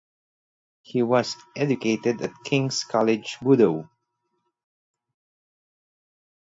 He was educated at Kings College Budo.